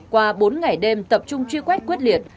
qua bốn ngày đêm tập trung truy quét quyết liệt